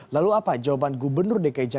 lalu apa jawaban gubernur dki jakarta